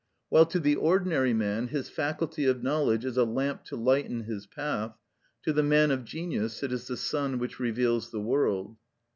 While to the ordinary man his faculty of knowledge is a lamp to lighten his path, to the man of genius it is the sun which reveals the world.